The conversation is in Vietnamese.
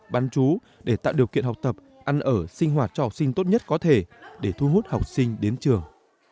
bán trú để tạo điều kiện học tập ăn ở sinh hoạt trò sinh tốt nhất có thể để thu hút học sinh đến trường